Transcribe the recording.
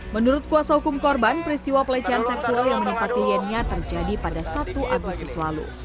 menurut kuasa hukum korban peristiwa pelecehan seksual yang menempati yeninya terjadi pada satu agustus lalu